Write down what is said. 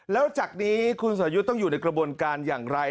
แล้วจากนี้คุณสอยุทธ์ต้องอยู่ในกระบวนการอย่างไร